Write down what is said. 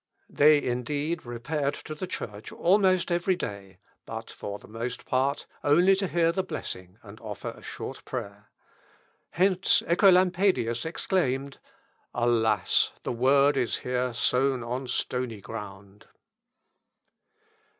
They, indeed, repaired to the church almost every day, but, for the most part, only to hear the blessing and offer a short prayer. Hence Œcolampadius exclaimed, "Alas! the Word is here sown on stony ground."